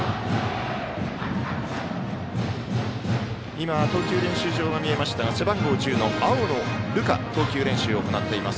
今、投球練習場が見えましたが背番号１０の青野流果が投球練習を行っています